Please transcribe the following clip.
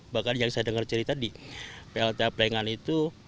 bahkan yang saya dengar cerita di plta plengan itu